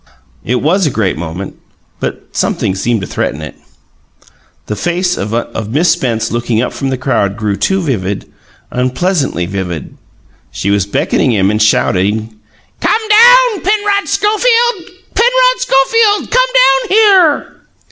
It was a great moment, but something seemed to threaten it. The face of Miss Spence looking up from the crowd grew too vivid unpleasantly vivid. She was beckoning him and shouting, "Come down, Penrod Schofield! Penrod Schofield, come down here!"